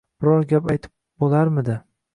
Biror gap aytib bo‘larmidi.